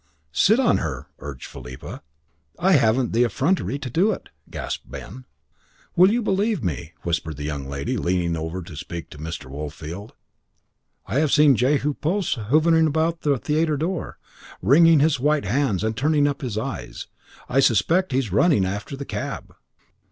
"Sit on her," urged Philippa. "I haven't the effrontery to do it," gasped Ben. "Will you believe me," whispered the young lady, leaning over to speak to Mr. Woolfield, "I have seen Jehu Post hovering about the theatre door, wringing his white hands and turning up his eyes. I suspect he is running after the cab."